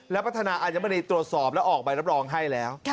แล้วพัฒนาอาจจะบริตรวจสอบแล้วออกไปรับรองให้แล้ว